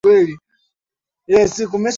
almaarufu sana hapa tanzania kama dell piero